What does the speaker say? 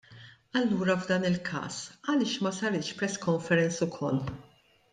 Allura f'dan il-każ għaliex ma saritx press conference ukoll?